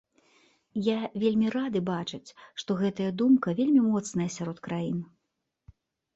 Я вельмі рады бачыць, што гэтая думка вельмі моцная сярод краін.